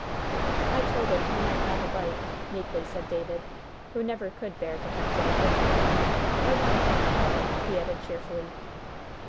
"I told him he might have a bite," meekly said David, who never could bear to have Joel blamed. "I wanted him to have it," he added cheerfully.